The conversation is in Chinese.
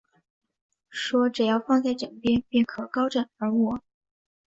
说只要放在枕边，便可高枕而卧